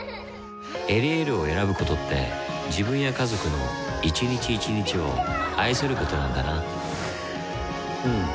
「エリエール」を選ぶことって自分や家族の一日一日を愛することなんだなうん。